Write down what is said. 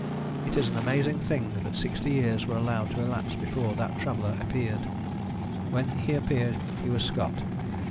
It is an amazing thing that sixty years were allowed to elapse before that traveller appeared. When he appeared he was Scott.